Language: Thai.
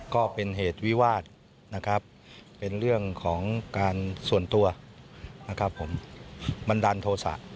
ก็เป็นเหตุวิวาสนะครับเป็นเรื่องของการส่วนตัวนะครับผมบันดาลโทษะ